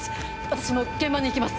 私も現場に行きます。